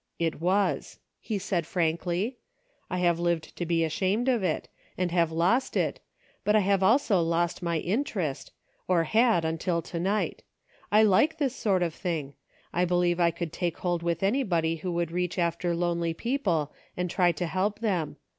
" It was," he said frankly ;" I have lived to be ashamed of it, and have lost it, but I have also lost my interest, or had, until to night. I like this sort of thing. I believe I could take hold with anybody who would reach after lonely people and try, to help them.